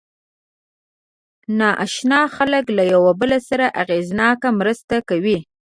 ناآشنا خلک له یو بل سره اغېزناکه مرسته کوي.